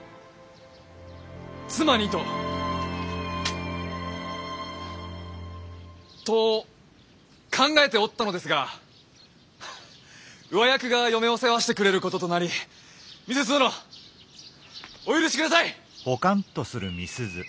妻にと！と考えておったのですが上役が嫁を世話してくれることとなり美鈴殿お許しください！